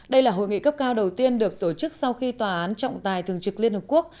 đây là hội nghị cấp cao đầu tiên được tổ chức sau khi tòa án trọng tài thường trực liên hợp quốc